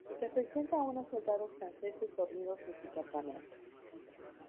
Representa a unos soldados franceses dormidos en su campamento.